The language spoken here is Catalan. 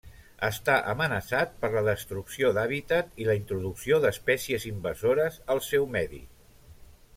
Està amenaçat per la destrucció d'hàbitat i la introducció d'espècies invasores al seu medi.